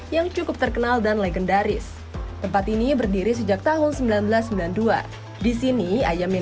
yang cukup terkenal dan legendaris tempat ini berdiri sejak tahun seribu sembilan ratus sembilan puluh dua disini ayam yang